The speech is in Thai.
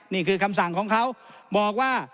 นี่คือคำสั่งของเขาบอกว่า